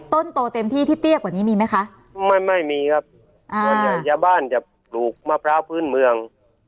โตเต็มที่ที่เตี้ยกว่านี้มีไหมคะไม่ไม่มีครับอ่าส่วนใหญ่ยาบ้านจะปลูกมะพร้าวพื้นเมือง